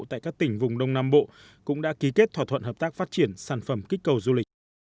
tại các tỉnh vùng đông nam bộ cũng đã ký kết thỏa thuận hợp tác phát triển sản phẩm kích cầu du lịch